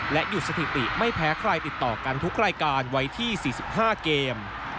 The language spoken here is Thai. หยุดสถิติไม่แพ้ใครติดต่อกันทุกรายการไว้ที่๔๕เกม